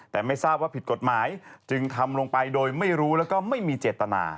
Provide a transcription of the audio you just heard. แต่ไม่ทราบว่าผิดกฎหมายจึงทำลงไปโดยไม่รู้แล้วก็ไม่มีเจตนา